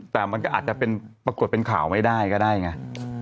แต่มันก็อาจจะเป็นปรากฏเป็นข่าวไม่ได้ก็ได้ไง